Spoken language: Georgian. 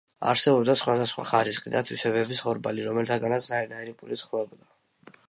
არსებობდა სხვადასხვა ხარისხისა და თვისებების ხორბალი, რომელთაგანაც ნაირ-ნაირი პური ცხვებოდა.